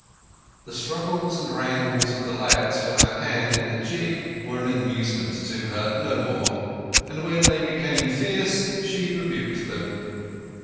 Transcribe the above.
The struggles and wrangles of the lads for her hand in a jig were an amusement to her—no more; and when they became fierce she rebuked them.